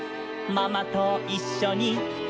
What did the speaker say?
「パパといっしょに」